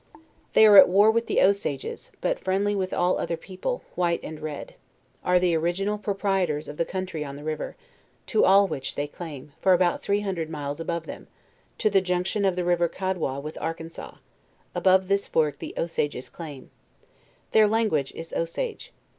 They are at war with the Osages, but friendly with all other people, white and red; are the original proprietors of tbe 158 JOURNAL OF * country on the river, to all which they claim, for about three hundred miles above them, to the junction of the river Cad wa with Arkansas; above this fork the Osages claim. Their language is Osage.